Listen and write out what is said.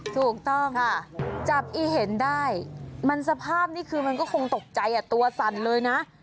ถูกต้องจับอีเห็นได้มันสภาพนี่คือมันก็คงตกใจตัวสั่นเลยนะ